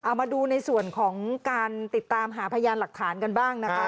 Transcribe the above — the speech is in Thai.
เอามาดูในส่วนของการติดตามหาพยานหลักฐานกันบ้างนะคะ